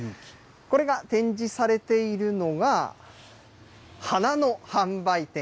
これが展示されているのが花の販売店。